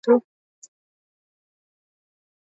Eamon Gilmore alisema ameelezea wasi wasi wa umoja huo